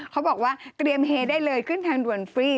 เขาบอกว่าเตรียมเฮได้เลยขึ้นทางด่วนฟรี